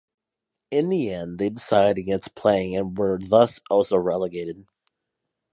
In the end they decided against playing and were thus also relegated.